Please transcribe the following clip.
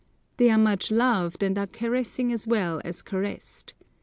They are much loved, and are caressing as well as caressed.